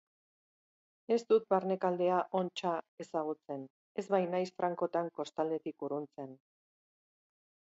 Ez dut barnekaldea ontsa ezagutzen, ez bainaiz frankotan kostaldetik urruntzen.